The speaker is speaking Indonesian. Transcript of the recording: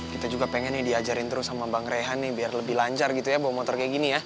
kita juga pengennya diajarin terus sama bang rehan nih biar lebih lancar gitu ya bawa motor kayak gini ya